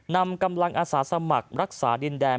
นำกำลังอาสาสมัครรักษาดินแดน